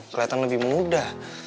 keliatan lebih muda